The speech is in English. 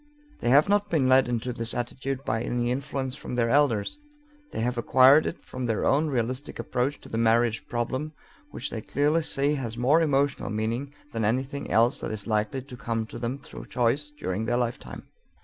They have not been led into this attitude by any influence from their elders; they have acquired it from their own realistic approach to the marriage problem, which they clearly see has more emotional meaning than anything else that is likely to come to them through choice during their lifetime.